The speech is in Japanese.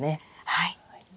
はい。